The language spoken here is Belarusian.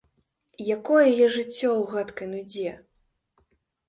Якое яе жыццё ў гэткай нудзе?